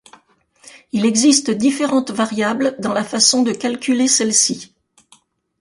Il existe différentes variables dans la façon de calculer celle-ci.